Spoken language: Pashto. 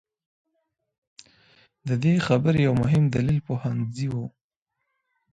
د دې خبرې یو مهم دلیل پوهنځي وو.